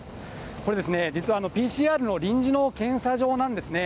これですね、実はＰＣＲの臨時の検査場なんですね。